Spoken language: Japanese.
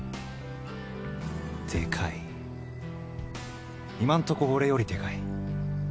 でかい今んとこ俺よりでかい